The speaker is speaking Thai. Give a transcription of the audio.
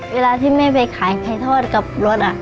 เวลาที่แม่ไปขายไข่ทอดกับรถ